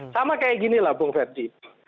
sama kayak ginilah bung ferdi